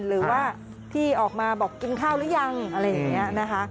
หรือว่าที่ออกมาบอกกินข้าวหรือยังอะไรอย่างนี้นะคะ